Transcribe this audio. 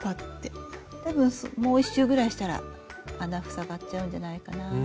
多分もう１周ぐらいしたら穴塞がっちゃうんじゃないかな。